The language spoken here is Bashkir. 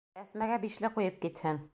Әсмәгә «бишле» ҡуйып китһен!